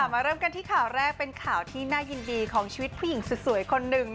มาเริ่มกันที่ข่าวแรกเป็นข่าวที่น่ายินดีของชีวิตผู้หญิงสวยคนหนึ่ง